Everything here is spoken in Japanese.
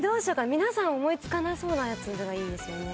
皆さん思いつかなそうなやつがいいですよね？